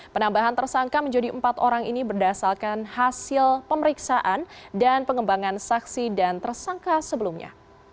penambahan tersangka menjadi empat orang ini berdasarkan hasil pemeriksaan dan pengembangan saksi dan tersangka sebelumnya